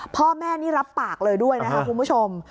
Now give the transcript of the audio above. พ่อแม่นี่รับปากเลยด้วยนะครับคุณผู้ชม